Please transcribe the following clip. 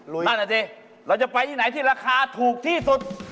นั่นอ่ะสิเราจะไปที่ไหนที่ราคาถูกที่สุด